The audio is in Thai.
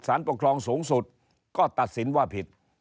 ปกครองสูงสุดก็ตัดสินว่าผิด